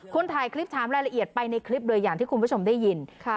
ถ่ายคลิปถามรายละเอียดไปในคลิปเลยอย่างที่คุณผู้ชมได้ยิน